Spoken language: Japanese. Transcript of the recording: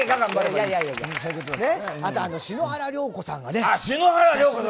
篠原涼子さんがね。